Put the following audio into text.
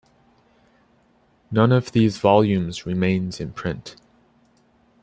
None of these volumes remains in print.